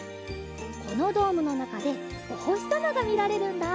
このドームのなかでおほしさまがみられるんだ。